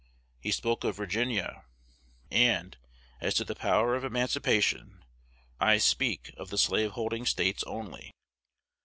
He spoke of Virginia; and, as to the power of emancipation, I speak of the slaveholding States only.